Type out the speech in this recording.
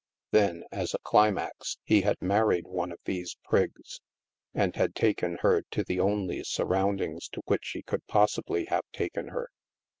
Then, as a climax, he had married one of these prigs, and had taken her to the only surroundings to which he could possibly have taken her.